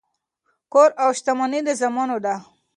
کور او شتمني د زامنو ده.